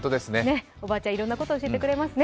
おばあちゃん、いろんなこと教えてくれますね。